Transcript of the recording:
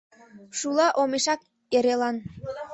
Шула омешак эрелан.